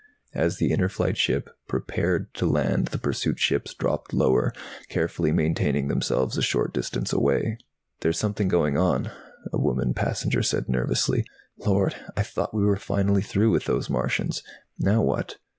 As the Inner Flight ship prepared to land the pursuit ships dropped lower, carefully maintaining themselves a short distance away. "There's something going on," a woman passenger said nervously. "Lord, I thought we were finally through with those Martians. Now what?"